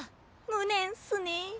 無念っすね。